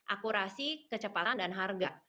akurasi kecepatan dan harga